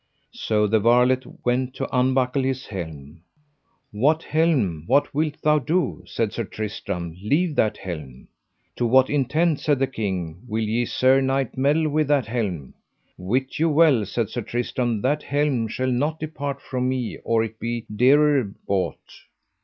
So the varlet went to unbuckle his helm. What helm, what wilt thou do? said Sir Tristram, leave that helm. To what intent, said the king, will ye, sir knight, meddle with that helm? Wit you well, said Sir Tristram, that helm shall not depart from me or it be dearer bought.